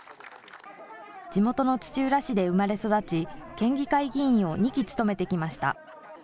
地元の土浦市で生まれ育ち、県議会議員を２期務めてきました。